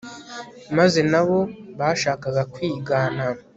maze n'abo bashakaga kwigana